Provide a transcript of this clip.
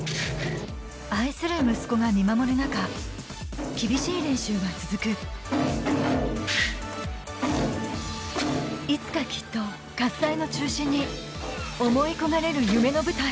・愛する息子が見守る中厳しい練習は続くいつかきっと喝采の中心に思い焦がれる夢の舞台